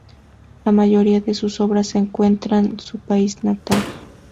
La mayoría de sus obras se encuentran su país natal.